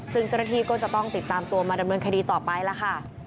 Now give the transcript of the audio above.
ซึ่งเจ้าหน้าที่ก็จะต้องติดตามตัวมาดำเนินคดีต่อไปล่ะค่ะ